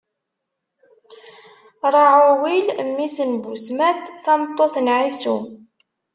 Raɛuwil, mmi-s n Busmat, tameṭṭut n Ɛisu.